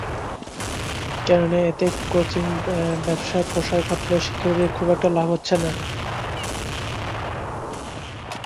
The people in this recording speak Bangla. কেননা, এতে কোচিং ব্যবসার প্রসার ঘটলেও শিক্ষার্থীদের খুব একটা লাভ হচ্ছে না।